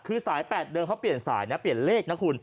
คือสายแปดเขาเปลี่ยนสายสายเปลี่ยนเลข